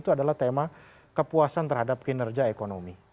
itu adalah tema kepuasan terhadap kinerja ekonomi